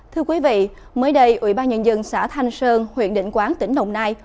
thưa quý vị mới đây ủy ban nhân dân xã thanh sơn huyện định quán tỉnh đồng nai